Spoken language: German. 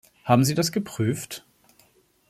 Haben Sie das geprüft?